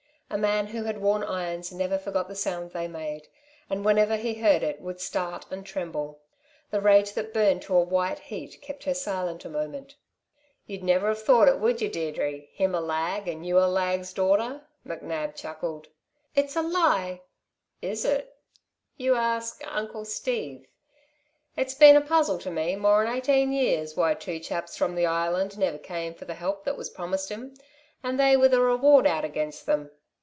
A man who had worn irons never forgot the sound they made, and whenever he heard it would start and tremble. The rage that burned to a white heat kept her silent a moment. "You'd never 've thought it, would you, Deirdre? Him a lag, and you a lag's daughter?" McNab chuckled. "It's a lie!" "Is it? You ask Uncle Steve. It's been a puzzle to me, more'n eighteen years, why two chaps from the Island never came for the help that was promised 'm, and they with a reward out against them.